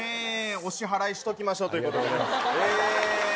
お支払いしときましょうということで。